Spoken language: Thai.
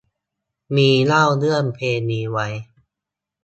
มีเล่าเรื่องเพลงนี้ไว้